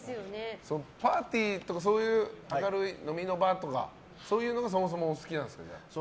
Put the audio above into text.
パーティーとか明るい飲みの場とかそういうのがそもそもお好きなんですね。